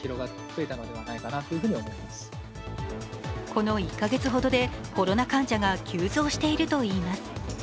この１カ月ほどでコロナ患者が急増しているといいます。